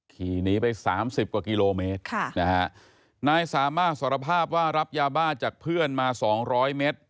ขี่นี้ไป๓๐กว่ากิโลเมตรค่ะนายสามารถสรภาพว่ารับยาบ้าจากเพื่อนมา๒๐๐เมตร